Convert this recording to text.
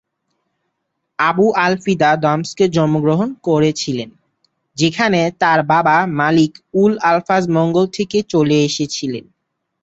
আবু-আল-ফিদা দামেস্কে জন্মগ্রহণ করেছিলেন, যেখানে তার বাবা মালিক উল-আফজাল মঙ্গোল থেকে চলে এসেছিলেন।